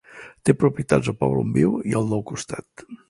Té propietats al poble on viu i al del costat.